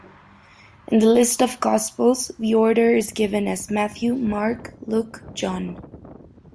In the list of gospels, the order is given as Matthew, Mark, Luke, John.